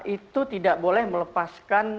itu tidak boleh melepaskan